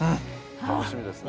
楽しみですね。